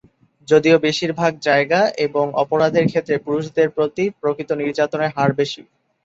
যদিও বেশিরভাগ জায়গা এবং অপরাধের ক্ষেত্রে পুরুষদের প্রতিই প্রকৃত নির্যাতনের হার বেশি।